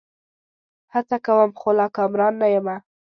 هڅه کوم؛ خو لا کامران نه یمه